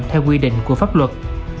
theo quy định của pháp luật